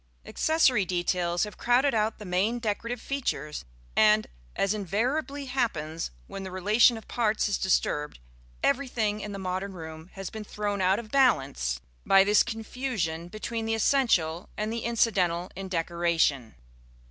Accessory details have crowded out the main decorative features; and, as invariably happens when the relation of parts is disturbed, everything in the modern room has been thrown out of balance by this confusion between the essential and the incidental in decoration.